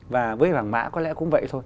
và với vàng mã có lẽ cũng vậy thôi